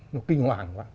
nó kinh hoàng quá